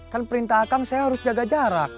kan perintah kang saya harus jaga jarak